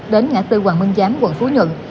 đến ngã tư hoàng minh giám quận phú nhuận